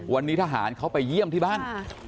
วันนี้ทหารเขาไปเยี่ยมที่บ้าน